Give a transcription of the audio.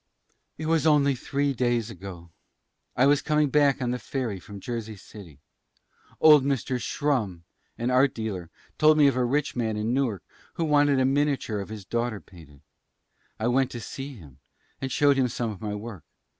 "It was only three days ago. I was coming back on the ferry from Jersey City. Old Mr. Schrum, an art dealer, told me of a rich man in Newark who wanted a miniature of his daughter painted. I went to see him and showed him some of my work.